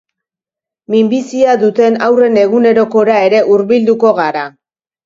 Minbizia duten haurren egunerokora ere hubilduko gara.